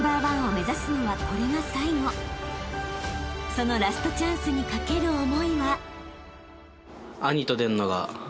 ［そのラストチャンスに懸ける思いは］